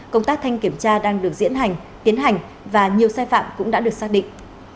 công tác thanh kiểm tra đang được diễn hành tiến hành và nhiều sai phạm cũng đã được xác định